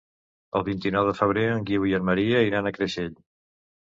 El vint-i-nou de febrer en Guiu i en Maria iran a Creixell.